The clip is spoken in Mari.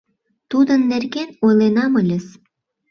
— Тудын нерген ойленам ыльыс.